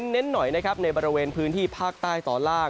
เน้นหน่อยนะครับในบริเวณพื้นที่ภาคใต้ตอนล่าง